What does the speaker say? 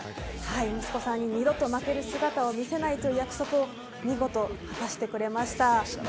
息子さんに二度と負ける姿を見せないという約束を見事果たしてくれました。